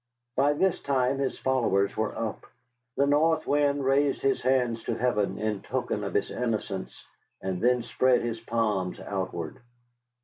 By this time his followers were up. The North Wind raised his hands to heaven in token of his innocence, and then spread his palms outward.